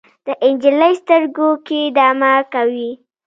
د نجلۍ سترګو کې دمه کوي